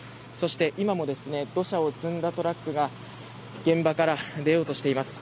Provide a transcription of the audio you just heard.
今も土砂を積んだトラックが現場から出ようとしています。